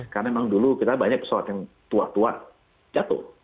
karena memang dulu kita banyak pesawat yang tua tua jatuh